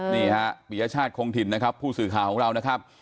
นี่ฮะปียชาติคงถิ่นนะครับผู้สื่อข่าวของเรานะครับ